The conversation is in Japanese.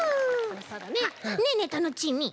ねえねえタノチーミー。